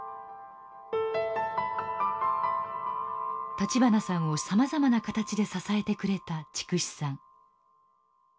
立花さんをさまざまな形で支えてくれた筑紫さん。